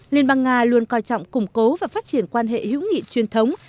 liên bang nga luôn coi trọng củng cố và phát triển quan hệ hữu nghị truyền thống